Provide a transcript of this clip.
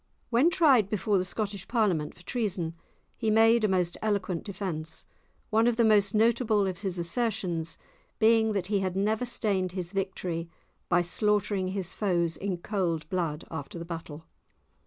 When tried before the Scottish Parliament for treason, he made a most eloquent defence, one of the most notable of his assertions being that he had never stained his victories by slaughtering his foes in cold blood after the battle.